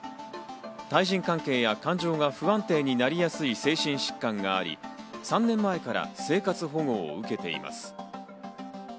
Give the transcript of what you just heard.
対人関係や感情が不安定になりやすい精神疾患があり、３年前から生活保護を受けています。